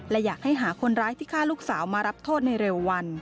และอยากให้หาคนร้ายที่ฆ่าลูกสาวมารับโทษในเร็ววัน